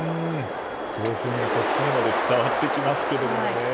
興奮がこちらにまで伝わってきますけれどもね。